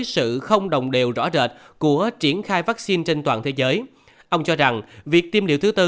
và sự không đồng điều rõ rệt của triển khai vắc xin trên toàn thế giới ông cho rằng việc tiêm liều thứ bốn